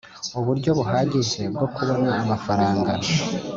uburyo buhagije bwo kubona amafaranga